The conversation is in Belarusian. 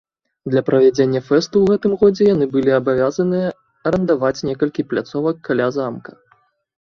Для правядзення фэсту ў гэтым годзе яны былі абавязаныя арандаваць некалькі пляцовак каля замка.